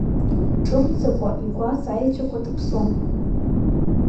Ҿымҭ-ӡакәа игәаҵа аеҵәақәа ҭаԥсон.